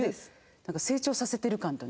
なんか成長させてる感とね。